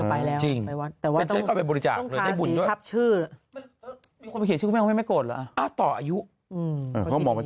มีคนเขียนชื่อของเข้ากาวไม่ใช่ไหมกูไม่โกรธเหรอ